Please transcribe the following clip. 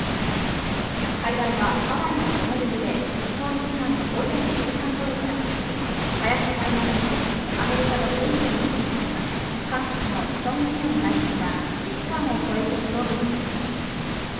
会談はハワイのホノルルで日本時間の午前９時半ごろから始まり林外務大臣、アメリカのブリンケン国務長官、韓国のチョン・ウィヨン外相が２時間を超えて協議を続けています。